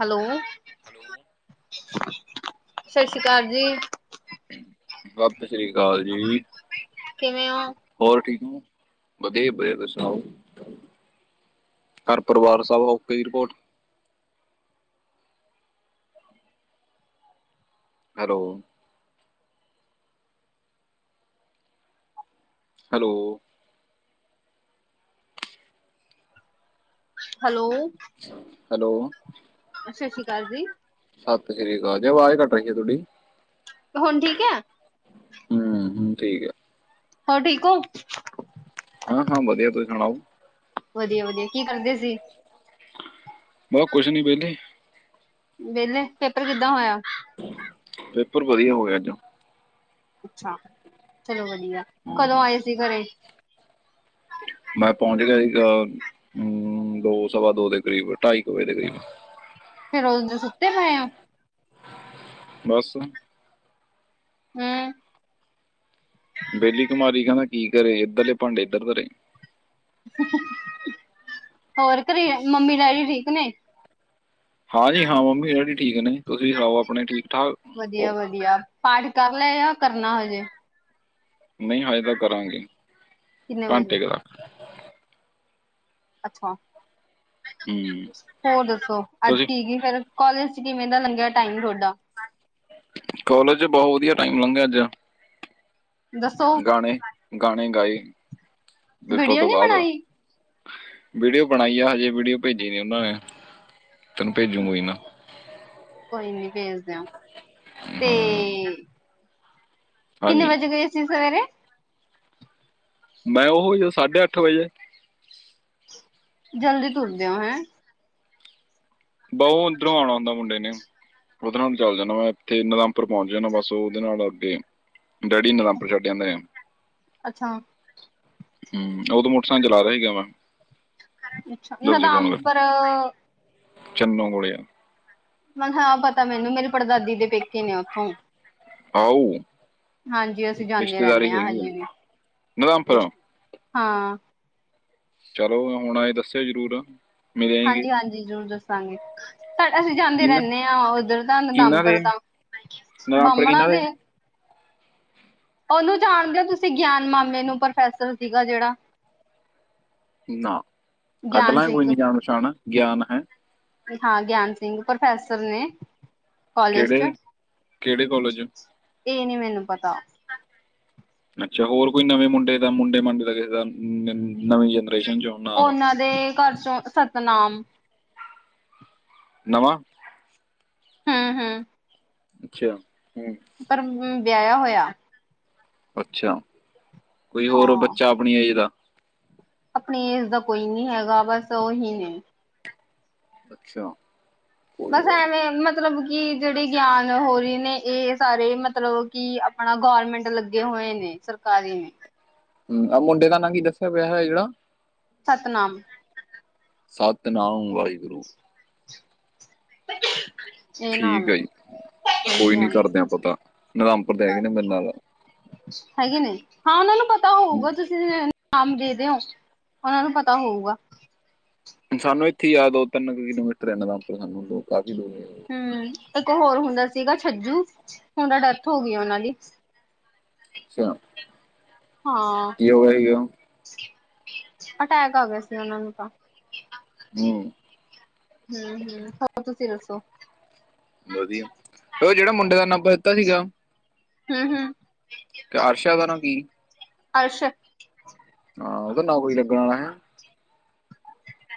Hello, hello ਸਸ਼ੀਕਾਲ ji. ਸਤਿ ਸ੍ਰੀ ਅਕਾਲ ਜੀ। ਕਿਵੇਂ ਓ? ਹੋਰ ਠੀਕ ਔ, ਵਧੀਆ ਜੀ ਵਧੀਆ, ਤੁਸੀ ਸੁਨਾਓ? ਘਰ-ਪਰਵਾਰ ਸਬ ਓਕੇ ਦੀ report? Hello hello hello hello ਸਤਿ ਸ੍ਰੀ ਅਕਾਲ ਜੀ। ਸਤਿ ਸ੍ਰੀ ਅਕਾਲ ਜੀ ਵਾਜ ਕਟ ਰੀ ਐ ਸੋਡੀ। ਹੁਣ ਠੀਕ ਐ? ਹੂੰ, ਠੀਕ ਐ। ਹੋਰ ਠੀਕ ਔ? ਹਾਂ-ਹਾਂ ਵਧੀਆ, ਤੂਸੀ ਸੁਣਾਓ? ਵਧੀਆ-ਵਧੀਆ, ਕੀ ਕਰਦੇ ਸੀ? ਬਹ ਕੁਛ ਨੀ, ਬੇਲੇ। ਵਿਹਲੇ, ਪੇਪਰ ਕਿੱਦਾਂ ਹੋਇਆ? ਪੇਪਰ ਵਧੀਆ ਹੋਗਿਆ ਅੱਜ। ਅੱਛਾ ਚਲੋ ਵਧੀਆ, ਹਾਂ, ਕਦੋਂ ਆਏ ਸੀ ਘਰੇ? ਮੈਂ ਪਹੁੰਚ ਗਿਆ ਸੀਗਾ, ਦੋ ਸਵਾ-ਦੋ ਦੇ ਕਰੀਬ ਢਾਈ ਕੁ ਵਜੇ ਦੇ ਕਰੀਬ। ਫਿਰ ਔਦੋ ਦੇ ਸੁੱਤੇ ਪਏ ਓਂ। ਬਸ‌। ਹੂੰ, ਬੇਲੀ ਕਮਾਰੀ ਕਹਿੰਦਾ ਕੀ ਕਰੇ, ਇੱਧਰਲੇ ਭਾਂਡੇ ਇੱਧਰ ਧਰੇ। ਹੋਰ ਘਰੇ ਮੰਮੀ ਡੈਡੀ ਠੀਕ ਨੇ? ਹਾਂਜੀ ਹਾਂ ਮੰਮੀ-ਡੈਡੀ ਠੀਕ ਨੇ, ਤੁਸੀਂ ਸੁਣਾਓ ਆਪਣੇ ਠੀਕ-ਠਾਕ? ਵਧੀਆ-ਵਧੀਆ, ਪਾਠ ਕਰਲਿਆ ਜਾ ਕਰਨਾ ਹਜੇ? ਨਈ ਹਾਜੇ ਤਾਂ ਕਰਾਂਗੇ, ਕਿੰਨੇ ਵਜੇ ਘੰਟੇ ਕ ਦਾ ਅੱਛਾ, ਹੂੰ ਹੋਰ ਦੱਸੋ? ਅੱਜ ਤੁਸੀਂ ਕੀ-ਕੀ ਫਿਰ ਕੌਲੇਜ 'ਚ ਕਿਵੇਂ ਦਾ ਲੰਘਿਆ ਟਾਈਮ ਥੋਡਾ? ਕੌਲੇਜ 'ਚ ਬਹੁਤ ਵਧੀਆ ਟਾਈਮ ਲੰਘਿਆ ਅੱਜ। ਦੱਸੋ ਗਾਣੇ, ਗਾਣੇ ਗਾਏ ਪੇਪਰ ਵੀਡੀਓ ਤੋਂ ਨੀ ਬਾਅਦ। ਬਣਾਈ ਵੀਡੀਓ ਬਣਾਈ ਆ ਹਜੇ ਵੀਡੀਓ ਭੇਜੀ ਨੀ ਉਹਨਾਂ ਨੇ, ਤੈਨੂੰ ਭੇਜੂ ਕੋਈ ਨਾ। ਕੋਈ ਨੀ ਭੇਜ ਦਿਓ, ਤੇ ਹਾਂ ਕਿੰਨੇ ਹਾਂਜੀ ਵਜੇ ਗਏ ਸੀ, ਸਵੇਰੇ? ਮੈਂ ਉਹੀ ਓ ਸਾਢੇ-ਅੱਠ ਵਜੇ। ਜਲਦੀ ਤੁਰਦੇਂ ਓ, ਹੈਂ? ਬਹੁ ਓਧਰੋ ਆਉਣਾ ਹੁੰਦਾ ਮੁੰਡੇ ਨੇ। ਔਦੇ ਨਾਲ ਚੱਲ ਜਾਨਾ, ਮੈਂ ਇੱਥੇ ਨਦਾਮਪੁਰ ਪਹੁੰਚ ਜਾਂਨਾ, ਬਸ ਉਹਦੇ ਨਾਲ ਅੱਗੇ ਡੈਡੀ ਨੀਰਾਮਪਰ‌ ਛੱਡਿਆ ਆਂਦੇ ਆ। ਅੱਛਾ ਹੂੰ, ਉਹਦੋਂ ਮੋਟਰਸਾਈਕਲ ਚਲਾ ਰਿਹਾ ਸੀਗਾ, ਮੈਂ। ਅੱਛਾ, ਜਦੋਂ ਤੁਸੀਂ ਫੋਨ ਕਰ ਨਦਾਮਪਰ ਚੰਨੋ ਕੋਲੇ ਆ। ਮ ਹਾਂ ਪਤਾ ਮੈਨੂੰ ਮੇਰੇ ਪੜਦਾਦੀ ਦੇ ਪੇਕੇ ਨੇ ਉੱਥੋਂ। ਆਊ, ਹਾਂਜੀ ਅਸੀਂ ਜਾਨੇ ਰੈਂਨੇ ਹਾਂ ਆ ਹਜੇ ਵੀ ਨਦੰਪਰ [unintelligible] ਹਾਂ। ਚਲੋ ਹੁਣ ਆਏ ਦੱਸਿਓ ਜ਼ਰੂਰ ਹਾਂਜੀ-ਹਾਂਜੀ ਜ਼ਰੂਰ ਦੱਸਾਂਗੇ। ਸਾਡਾ ਅਸੀਂ ਜਾਂਦੇ ਕਿਨਾਂ ਰੈਂਨੇ ਹਾਂ ਉੱਧਰ ਤਨਦਮਪਰਦਮ ਨਦਾਮਪੁਰ ਕੀਨਾਂ ਦੇ ਉਹਨੂੰ ਜਾਣਦੇ ਐਂ ਤੁਸੀਂ ਗਿਆਨ ਮਾਮੇ ਨੂੰ ਪ੍ਰੋਫੈਸਰ ਸੀਗਾ ਜੇੜਾ ਨਾ ਕੱਢ ਗਿਆਨ ਲਾਂਗੇ ਸਿੰਘ ਕੋਈ ਨੀ ਜਾਣ-ਪਛਾਣ ਗਿਆਨ ਹੈਂ। ਹਾਂ ਗਿਆਨ ਸਿੰਘ ਪਰਫੈਸਰ ਨੇ। ਕੌਲੇਜ 'ਚ ਕਿਹੜੇ ਕਿਹੜੇ ਕਾਲਜ ਇਹ ਨੀ ਮੈਨੂੰ ਪਤਾ ਅੱਛਾ ਹੋਰ ਕੋਈ ਨਵੇਂ ਮੁੰਡੇ ਦਾ ਮੁੰਡੇ ਮਾਂਡੇ ਦਾ ਕਿਸੇ ਦਾ ਨ ਨਵੀਂ ਜਨਰੇਸ਼ਨ 'ਚੋਂ ਨਾਮ ਉਹਨਾਂ ਦੇ ਘਰ 'ਚੋਂ ਸਤਿਨਾਮ ਨਵਾਂ ਹੂੰ-ਹੂੰ ਅੱਛਾ ਹੂੰ ਪਰ ਉਮ ਬਿਆਹਿਆ ਹੋਇਆ। ਅੱਛਾ ਕੋਈ ਹੋਰ ਬੱਚਾ ਅਪਣੀ ਏਜ ਦਾ ਅਪਣੀ ਏਜ ਦਾ ਕੋਈ ਨੀ ਹੈਗਾ ਬਸ ਓਹੀ ਨੇ। ਅੱਛਾ ਕੋਈ ਬਸ ਗੱਲ ਐਵੇਂ ਮ ਮਤਲਬ ਕਿ ਜੇੜੇ ਗਿਆਨ ਹੋਰੀ ਨੇ ਏਹ ਸਾਰੇ ਮਤਲਬ ਕਿ ਅਪਣਾ ਗੋਰਮੈਂਟ ਲੱਗੇ ਹੋਏ ਨੇ। ਸਰਕਾਰੀ ਹੂੰ ਐ ਮੁੰਡੇ ਦਾ ਨਾਂ ਕੀ ਦੱਸਿਆ ਵਿਆ ਹੋਆ ਜੇੜਾ ਸਤਨਾਮ ਸਤਿਨਾਮ ਵਾਹਿਗੁਰੂ। [inaudible] ਠੀਕ ਐ ਜੀ ਹੈ ਕੋਈ ਨੀ ਹਾਂਜੀ-ਹਾਂਜੀ ਕਰਦੇ ਆਂ ਪਤਾ ਰਾਮਪੁਰ ਦੇ ਹੈਗੇ ਨੇ ਮੇਰੇ ਨਾਲ ਹੈਗੇ ਨੇ ਹਾਂ ਓਨਾਂ ਨੂੰ ਪਤਾ ਹੋਊਗਾ ਹੂੰ। ਤੁਸ ਨਾਮ ਦੇ ਦਿਓ ਉਨਾਂ ਨੂੰ ਪਤਾ ਹੋਊਗਾ। ਸਾਨੂੰ ਏਥੇ ਈ ਆ ਦੋ ਤਿੰਨ ਕਿਲੋਮੀਟਰ ਇਹਨਾਂ ਰਾਮਪੁਰ ਸਾਨੂੰ ਦੂ ਕਾਫੀ ਦੂਰ ਏ। ਹੂੰ ਏਕ ਹੋਰ ਹੁੰਦਾ ਸੀਗਾ ਛੱਜੂ ਹੁਣ ਤਾ ਡੈਥ ਹੋ ਗੀ ਓਨਾਂ ਦੀ ਅੱਛਾ ਹਾਂ ਕੀ ਹੋ ਗਿਆ ਸੀਗਾ ਅਟੈਕ ਆ ਗਏ ਸੀ ਓਨਾਂ ਨੂੰ ਤਾ ਹੂੰ ਹੂੰ-ਹੂੰ ਹੋਰ ਤੁਸੀ ਦੱਸੋ। ਵਧੀਆ ਓ ਜੇੜਾ ਮੁੰਡੇ ਦਾ ਨਭ ਦਿੱਤਾ ਸੀਗਾ। ਹੂੰ-ਹੂੰ ਤੇ ਆਰਸਾ ਦਾ ਨਾ ਕੀ ਅਰਸ਼ਕ ਹਾਂ ਓਦਾ ਨਾਂ ਕੋਈ ਲੱਗਣਾ ਹੈਂ।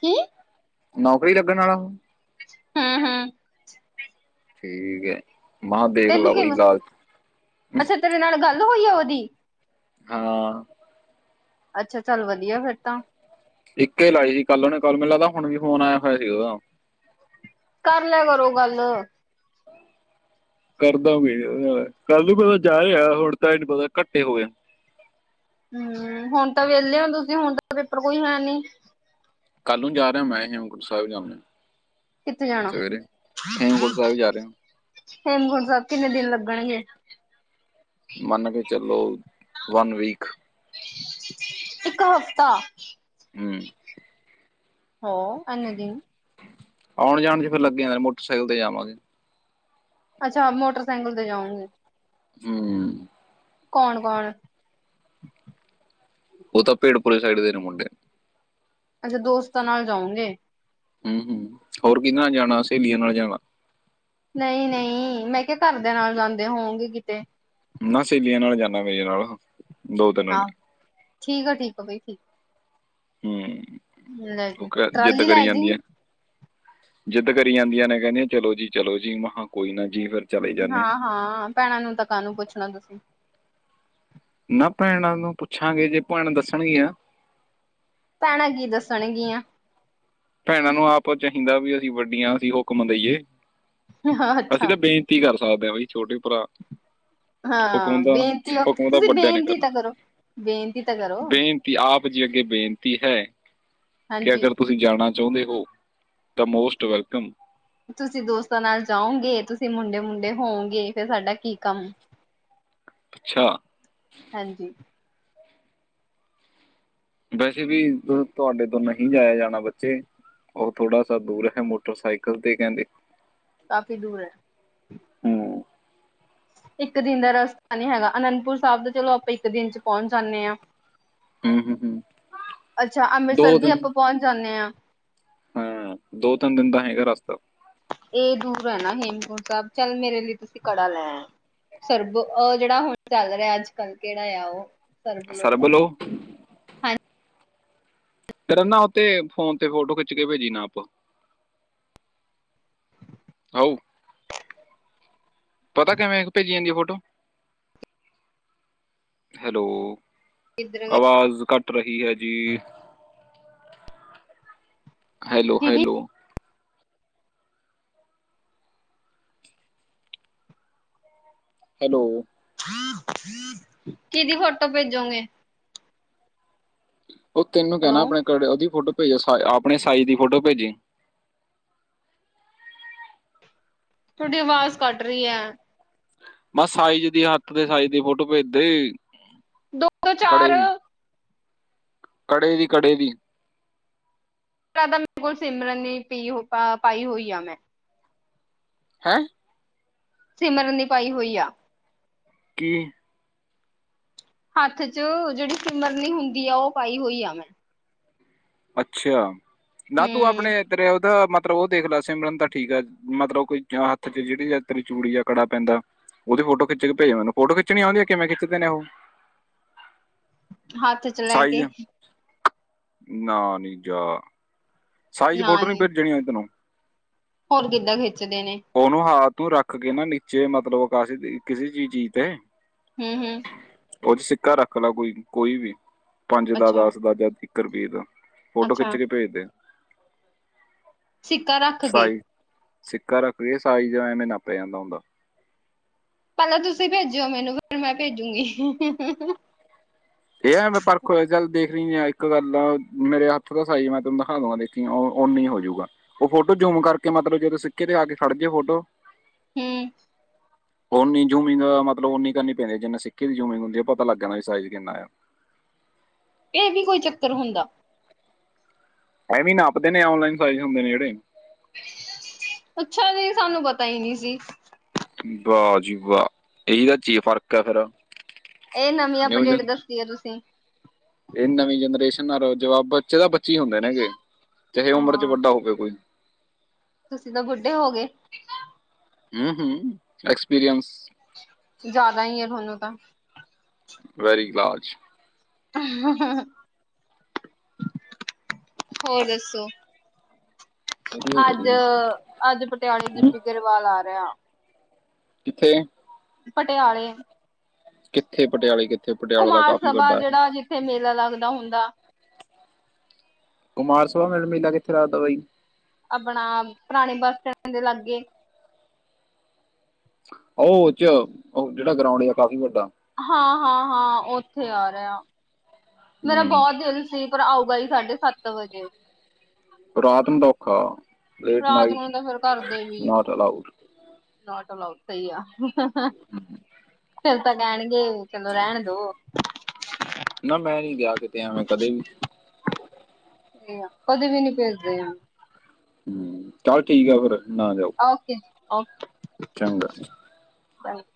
ਕੀ ਨੌਕਰੀ ਲੱਗਣ ਅਲਾ ਹੂੰ-ਹੂੰ ਠੀਕ ਐ। ਤੈਨੂੰ ਕਿਵੇਂ ਅੱਛਾ ਤੇਰੇ ਨਾਲ ਗੱਲ ਹੋਈ ਐ ਉਦੀ ਹਾਂ ਅੱਛਾ, ਚੱਲ ਵਧੀਆ ਫੇਰ ਤਾਂ। ਇੱਕੇ ਲਾਈ ਸੀ ਕੱਲ ਓਨੇ ਕੋਲ, ਮਿਨ ਲਗਦਾ ਹੁਣ ਵੀ ਫੋਨ ਆਇਆ ਹੋਇਆ ਸੀ ਓਦਾ। ਕਰ ਲੇਆ ਕਰੋ ਗੱਲ। ਕਰਦਾ ਵੀ, ਕੱਲ ਨੂੰ ਪਤਾ ਜਾ ਰਿਹਾ ਹੁਣ ਤਾਂ ਏਹਨੂੰ ਪਤਾ ਘੱਟੇ ਹੋ ਗਯਾ। ਹੂੰ, ਹੁਣ ਤਾਂ ਵੇਲੇ ਔਂ ਤੁਸੀ, ਹੁਣ ਤਾਂ ਪੇਪਰ ਕੋਈ ਹੈ ਨੀ? ਕੱਲ ਨੂੰ ਜਾ ਰਿਹਾ ਮੈਂ ਹੇਮਕੁੰਟ ਸਾਹਿਬ ਜਾਨਾ, ਕਿੱਥੇ ਜਾਣਾ ਸਵੇਰੇ ਹੇਮਕੁੰਟ ਸਾਹਿਬ ਜਾ ਰਿਹਾ। ਹੇਮਕੁੰਟ ਸਾਬ ਕਿੰਨੇ ਦਿਨ ਲੱਗਣਗੇ? ਮੰਨ ਕੇ ਚਲੋ, ਵਨ ਵੀਕ। ਇੱਕ ਹਫ਼ਤਾ! ਹੂੰ। ਹਾ! ਐਨੇ ਦਿਨ ਆਉਣ ਜਾਣ 'ਚ ਫੇਰ ਲੱਗੇ ਹੀ ਜਾਨੇ ਆਂ, ਮੋਟਰਸੈਕਲ ਤੇ ਜਾਵਾਂਗੇ। ਅੱਛਾ, ਮੋਟਰਸੈਕਲ ਤੇ ਜਾਓਗੇ। ਹੂੰ। ਕੌਣ ਕੋਣ? ਓਤਾ ਪੇੜ ਪੁਰੇ ਸਾਈਡ ਦੇ ਨੇ ਮੁੰਡੇ। ਅੱਛਾ, ਦੋਸਤਾਂ ਨਾਲ ਜਾਓਂਗੇ। ਹੂਂ ਹੂੰ, ਹੋਰ ਕਿਦੇ ਨਾਲ ਜਾਣਾ ਸਹੇਲੀਆਂ ਨਾਲ ਜਾਣਾ। ਨਈ ਨਈ, ਮੈਂ ਕਿਹਾ ਘਰ ਦੇਆਂ ਨਾਲ ਜਾਂਦੇ ਹੋਂਗੇ ਕਿਤੇ। ਨਾ ਸਹੇਲੀਆਂ ਨਾਲ ਜਾਂਨਾ ਮੇਰੇ ਨਾਲ, ਦੋ ਤਿੰਨ ਨੇ। ਆਹ ਠੀਕ ਠੀਕ ਆ ਬਈ, ਠੀਕ। ਹਮ, ਲੈ ਜੀ ਉਹ ਜਿੱਦ ਟਰਾਲੀ ਲੈ ਕਰੀ ਜੀ ਜਾਂਦੀਐ। ਜਿੱਦ ਕਰੀ ਜਾਂਦੀਆਂ ਨੇ ਕਹਿੰਦੀ ਚਲੋ ਜੀ ਚਲੋ ਜੀ, ਮੈ ਖੈ ਕੋਈ ਨਾ ਜੀ ਫਿਰ ਚਲੇ ਜਾਂਦੇ ਹਾਂ ਹਾਂ, ਭੈਣਾਂ ਨੂੰ ਤਾਂ ਕਾਹ ਨੂੰ ਪੁੱਛਣਾ ਤੁਸੀਂ? ਨਾ ਭੈਣਾਂ ਨੂੰ ਪੁੱਛਾਂਗੇ, ਜੇ ਭੈਣ ਦੱਸਣਗੀਆਂ। ਭੈਣਾਂ ਕੀ ਦੱਸਣਗੀਆਂ? ਭੈਣਾਂ ਨੂੰ ਆਪ ਚਾਹੀਦਾ ਵੀ ਅਸੀਂ ਵੱਡੀਆਂ, ਅਸੀਂ ਹੁਕਮ ਦੇਈਏ, ਅਸੀਂ ਤਾਂ ਬੇ ਕਰ ਸਕਦੇ ਹ ਬਈ, ਛੋਟੇ ਭਰਾ ਹਾਂ। ਹਾਂ ਹੁਕਮ ਦਾ ਬੇਨਤੀ ਹੋ, ਹੁਕਮ ਦਾ ਤੁਸੀਂ ਵੱਡਿਆਂ ਨੇ ਬੇਨਤੀ ਕਰਨਾ ਤਾਂ ਕਰੋ, ਬੇਨਤੀ ਤਾਂ ਕਰੋ। ਬੇਨਤੀ ਆਪ ਜੀ ਅੱਗੇ ਬੇਨਤੀ ਹੈ, ਕਿ ਹਾਂਜੀ ਅਗਰ ਤੁਸੀਂ ਜਾਣਾ ਚਾਹੁੰਦੇ ਹੋ, ਤਾਂ ਮੋਸਟ ਵੈਲਕਮ। ਤੁਸੀਂ ਦੋਸਤਾਂ ਨਾਲ ਜਾਓਗੇ, ਤੁਸੀਂ ਮੁੰਡੇ ਮੁੰਡੇ ਹੋਓਗੇ, ਫੇਿਰ ਸਾਡਾ ਕੀ ਕੰਮ? ਅੱਛਾ! ਹਾਂਜੀ। ਵੈਸੇ ਵੀ, ਤੁਹਾਡੇ ਤੋਂ ਨਹੀਂ ਜਾਇਆ ਜਾਣਾ ਬੱਚੇ। ਉਹ ਥੋੜਾ ਸ ਦੂਰ ਹੈ, ਮੋਟਰਸਾਈਕਲ ਤੇ ਕਹਿੰਦੇ ਕਾਫ਼ੀ ਦੂਰ ਹੈ। ਹੂੰ ਇੱਕ ਦਿਨ ਦਾ ਰਸਤਾ ਨੀ ਹੈਗਾ, ਅਨੰਦਪੁਰ ਸਾਹਿਬ ਦਾ ਚਲੋ ਆਪਾਂ ਇੱਕ ਦਿਨ 'ਚ ਪਹੁੰਚ ਜਾਂਦੇ ਹਾਂ। ਹੂੰ ਹੂੰ ਹੂੰ ਅੱਛਾ, ਦੋ ਅੰਮ੍ਰਿਤਸਰ ਵੀ ਦਿਨ ਆਪਾਂ ਪਹੁੰਚ ਜਾਂਦੇ ਹਾਂ। ਹਾਂ, ਦੋ- ਤਿੰਨ ਦਿਨ ਦਾ ਹੈਗਾ ਰਸਤਾ। ਇਹ ਦੂਰ ਹੈ ਨਾ ਹੇਮਕੁੰਟ ਸਾਹਿਬ, ਚੱਲ ਮੇਰੇ ਲਈ ਤੁਸੀਂ ਕੜਾ ਲੈ ਸਰਬ ਉਹ ਜਿਹੜਾ ਹੁਣ ਚੱਲ ਰਿਹਾ ਅੱਜ ਕੱਲ੍ਹ, ਕਿਹੜਾ ਆ ਉਹ ਸਰਬਲੋ ਦਾ। ਸਰਬਲ ਉਹ ਫ ਨਾ ਉਥੇ ਫੋਨ ਤੇ, ਫੋਟੋ ਖਿੱਚ ਕੇ ਭੇਜੀ ਨਾਪ। ਆ, ਪਤਾ ਕਿਵੇਂ ਭੇਜੀ ਜਾਂਦੀ ਹੈ ਫੋਟੋ? ਹੈਲੋ, ਹਾਂਜੀ ਇੱਧਰ ਆਵਾਜ਼ ਘੱਟ ਰਹੀ ਹੈ ਜੀ ਹੈਲੋ, ਦੀਦੀ ਹੈਲੋ ਹੈਲੋ ਕਿਹਦੀ ਫੋਟੋ ਭੇਜੋਗੇ ਉਹ ਤੈਨੂੰ ਹੈਲੋ ਕਹਿਣਾ ਆਪਣੇੜ ਉਹਦੀ ਫੋਟੋ ਭੇਜੋ ਆਪਣੇ ਸਾਈਜ਼ ਦੀ ਫੋਟੋ ਭੇਜੀ ਤੁਹਾਡੀ ਆਵਾਜ਼ ਕੱਟ ਰਹੀ ਹੈ ਬਸ ਸਾਈਜ ਦੀ ਹੱਥ ਦੇ ਸਾਈਜ਼ ਦੀ ਫੋਟੋ ਭੇਜਦੇ ਦੋ ਤੋਂ ਚਾਰ ਕੜੇ ਦੀ ਕੜੇ ਦੀ ਕੜੇ ਦੀ ਤੁਹਾਡਾ ਮੇਰੇ ਕੋਲ ਸਿਮਰਨ ਦੀ ਪੀ ਹੋਤਾ ਪਾਈ ਹੋਈ ਆ ਮੈਂ ਹੈਂ ਸਿਮਰਨ ਦੀ ਪਾਈ ਹੋਈ ਆ ਕੀ ਹੱਥ 'ਚ ਜਿਹੜੀ ਸਿਮਰਨੀ ਹੁੰਦੀ ਆ ਉਹ ਪਾਈ ਹੋਈ ਆ ਮੈਂ ਅੱਛਾ ਨਾ ਤੂੰ ਹੂੰ ਆਪਣੇ ਤਰੇ ਉਹਦੇ ਮ ਮਤਲਬ ਉਹ ਦੇਖ ਲੈ ਸਿਮਰਨ ਤਾਂ ਠੀਕ ਆ ਮਤਲਬ ਕੋਈ ਜਾਂ ਹੱਥ 'ਚ ਜਿਹੜੀ ਤੇਰੀ ਚੂੜੀ ਜਾ ਕੜਾ ਪੈਂਦਾ ਉਹਦੀ ਫੋਟੋ ਖਿੱਚ ਕੇ ਭੇਜ ਮੈਨੂੰ ਫੋਟੋ ਖਿੱਚਣੀ ਆਂਦੀ ਆ ਕਿਵੇ ਖਿੱਚਦੇ ਨੇ ਉਹ ਹੱਥ 'ਚ ਲੈ ਸਾਈਜ਼ ਕੇ ਨਾ ਨੀ ਜਾ, ਸਾਈਜ਼ ਫੋਟੋ ਨੀ ਭੇਜਣੀ ਆਂਉਦੀ ਤੈਨੂੰ ਹੋਰ ਕਿੱਦਾਂ ਖਿੱਚਦੇ ਨੇ ਉਹਨੂੰ ਹਾਥ ਨੂੰ ਰੱਖ ਕੇ ਨਾ ਨੀਚੇ ਮਤਲਬ ਕਾਸੇ ਕਿਸੇ ਵੀ ਚੀਜ਼ ਤੇ ਹਮ ਹਮ ਉਹ 'ਚ ਸਿੱਕਾ ਰੱਖ ਲਾ ਕੋਈ ਕੋਈ ਵੀ ਪੰਜ ਦਾ ਅੱਛਾ ਦਸ ਦਾ ਜਾਂ ਇੱਕ ਰੁਪਈਏ ਦਾ ਫੋਟੋ ਖਿੱਚ ਅੱਛਾ ਕੇ ਭੇਜਦੇ ਸਿੱਕਾ ਰੱਖ ਕੇ ਸਾਈਜ਼ ਸਿੱਕਾ ਰੱਖ ਕੇ ਸਾਈ ਜੇ ਐਵੇਂ ਨਾ ਪੈ ਜਾਂਦਾ ਹੁੰਦਾ ਪੈਲਾ ਤੁਸੀਂ ਭੇਜੇ ਓ ਮੈਨੂੰ, ਫਿਰ ਮੈਂ ਭੇਜੂਗੀ ਏ-ਐ ਮੈਂ ਪਰਖ ਚੱਲ ਦੇਖ ਰਹੀ ਐ, ਇੱਕ ਗੱਲ ਆ ਮੇਰੇ ਹੱਥ ਦਾ ਸਾਈਜ ਮੈਂ ਤੇਨੂੰ ਦਿਖਾ ਦਵਾ ਤੇ ਓੰ ਓਨੀ ਹੋਜੂਗਾ, ਉਹ ਫੋਟੋ ਜੂਮ ਕਰਕੇ ਮਤਲਬ ਜਦੋਂ ਸਿੱਕੇ ਤੇ ਆ ਕੇ ਖੜ ਜੇ ਫੋਟੋ ਹਮ ਉੱਨੀ ਜ਼ੂਮਿੰਗ, ਮਤਲਬ ਉੱਨੀ ਕਰਨੀ ਪੈਂਦੀ, ਜਿੰਨਾ ਸਿੱਕੇ ਦੀ ਜ਼ੂਮਿੰਗ ਹੁੰਦੀ ਹੈ, ਪਤਾ ਲੱਗ ਗਿਆ ਕਿ ਸਾਈਜ਼ ਕਿੰਨਾ ਆਇਆ ਏਹ ਨੀ ਕੋਈ ਚੱਕਰ ਹੁੰਦਾ? ਇਹ ਵੀ ਨਾਪਦੇ ਨੇ, ਔਨਲਾਈਨ ਸਾਈਜ਼ ਹੁੰਦੇ ਨੇ, ਜਿਹੜੇ ਅੱਛਾ ਜੀ, ਸਾਨੂੰ ਪਤਾ ਹੀ ਨਹੀਂ ਸੀ। ਵਾਹ ਜੀ ਵਾਹ, ਇਹੀ ਤਾਂ ਚੀ ਫ਼ਰਕ ਐ ਫਿਰ ਇਹ ਨਵੀ, ਅਪਡੇਟ ਦਸੀ ਐ, ਤੁਸੀ ਏ, ਨਵੀਂ ਜਨਰੇਸ਼ਨ ਨਾਲੋ ਜਵਾਬ, ਬੱਚੇ ਤਾਂ ਬੱਚੇ ਹੁੰਦੇ ਨੇਗੇ, ਚਾਹੇ ਉਮਰ 'ਚ ਹਾਂ ਵੱਡਾ ਹੋਵੇ ਕੋਈ ਤੁਸੀਂ, ਤਾਂ ਬੁੱਢੇ ਹੋਗੇ ਹੂੰ-ਹੂੰ, ਐਕਸਪੀਰੀਅਨਸ ਜਿਆਦਾ, ਈ, ਐ, ਤੁਹਾਨੂੰ ਤਾਂ ਵੈਰੀ, ਲਾਜ਼ [inaudible] ਹੋਰ, ਦੱਸੋ? ਵਧੀਆ ਵਧੀਆ ਅੱਜ-ਅੱਜ, ਪਟਿਆਲੇ ਹੂੰ, ਗਿਪੀ ਗਰੇਵਾਲ ਆ ਰਿਆ। ਕਿੱਥੇ? ਪਟਿਆਲੇ ਕਿੱਥੇ, ਪਟਿਆਲੇ ਕਿੱਥੇ? ਪਟਿਆਲਾ ਦਾ ਕੁਮਾਰ ਕਾਫੀ ਸਭਾ, ਵੱਡਾ ਹੈ ਜਿਹੜਾ, ਜਿੱਥੇ ਮੇਲਾ ਲੱਗਦਾ, ਹੁੰਦਾ। ਕੁਮਾਰ ਸਬਾ, ਮਿਲ ਮੇਲਾ ਕਿੱਥੇ ਲਗਦਾ ਬਾਈ? ਆਪਣਾ, ਪੁਰਾਣੇ ਬੱਸ ਸਟੈਂਡ ਦੇ ਲਾਗੇ। ਓਹ ਔਚ ਉਹੋ, ਜਿਹੜਾ ਗਰਾਉਂਡ ਜੇਹਾ, ਕਾਫੀ ਵੱਡਾ ਐ। ਹਾਂ-ਹਾਂ ਹਾਂ, ਉੱਥੇ ਆ ਰੇਆ, ਮੇਰਾ ਹੂੰ ਬੋਤ ਦਿਲ ਸੀ ਫੇਰ, ਆਓਗਾ ਬਾਈ ਸਾਢੇ ਸੱਤ ਵਜੇ। ਰਾਤ ਨੂੰ ਤਾ ਔਖਾ, late night, not allowed. Not allowed, ਸਈ ਆ। ਫੇਰ ਤਾਂ ਕਹਿਣਗੇ, ਚਲੋ ਰਹਿਣ ਦੋ। ਨਾ ਮੈਂ ਨੀ ਗਿਆ, ਕਿਤੇ, ਐਵੇਂ ਕਦੇ ਵੀ। ਸਹੀ ਆ ਕਦੇ ਵੀ ਨੀ ਭੇਦੇ ਆ। ਹੂੰ ਚੱਲ ਠੀਕ ਆ ਫੇਰ, ਨਾ ਜਾਓ ਓਕੇ ਜੀ, ਓਕੇ। ਚੰਗਾ ਜੀ। ਹ [inaudible]